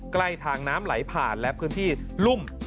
ใกล้ทางน้ำไหลผ่านและพื้นที่รุ่ม